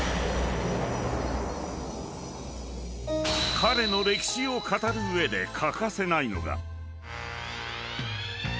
［彼の歴史を語る上で欠かせないのが］